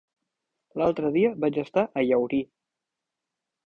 L'altre dia vaig estar a Llaurí.